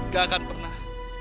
gak akan pernah